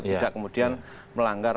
tidak kemudian melanggar